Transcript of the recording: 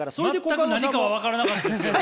全く何かは分からなかったですよ。